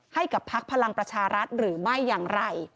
พักพลังประชารัฐหรือไม่อย่างไร